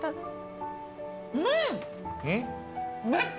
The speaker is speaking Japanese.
うん！